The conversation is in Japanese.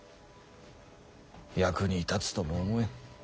役に立つとも思えん。